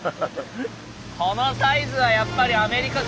このサイズはやっぱりアメリカ級だと。